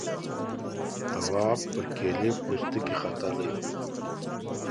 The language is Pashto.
تواب پر کيلې پوستکي ختلی و.